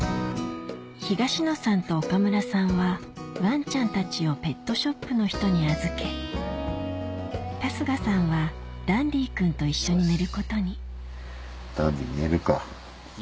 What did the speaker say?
東野さんと岡村さんはワンちゃんたちをペットショップの人に預け春日さんはダンディ君と一緒に寝ることにダンディ寝るか。